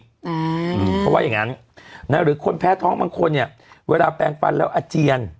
เพราะว่าอย่างงั้นหรือคนแพ้ท้องบางคนเนี่ยเวลาแปลงฟันแล้วอาเจียน